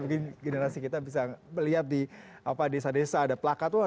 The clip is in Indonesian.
mungkin generasi kita bisa melihat di desa desa ada plakat lah